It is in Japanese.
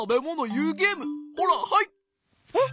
えっ？